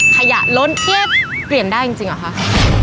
ขยะโล้นเทียบเพียงได้จริงจริงอ่ะคะ